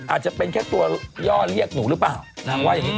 อาจจะเป็นแค่ตัวย่อเรียกหนูหรือเปล่า